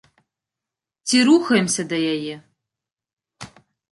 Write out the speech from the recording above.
Ці рухаемся да яе?